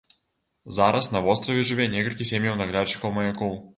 Зараз на востраве жыве некалькі сем'яў наглядчыкаў маякоў.